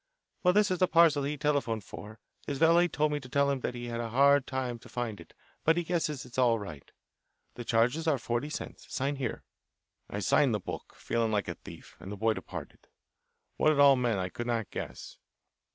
"Well, this is the parcel he telephoned for. His valet told me to tell him that they had a hard time to find it, but he guesses it's all right. The charges are forty cents. Sign here." I signed the book, feeling like a thief, and the boy departed. What it all meant I could not guess.